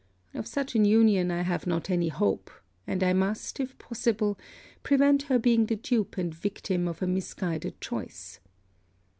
Of such an union I have not any hope; and I must, if possible, prevent her being the dupe and victim of a misguided choice.